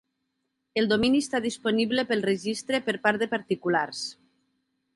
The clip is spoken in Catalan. El domini està disponible pel registre per part de particulars.